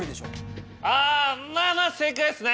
あまぁまぁ正解ですね。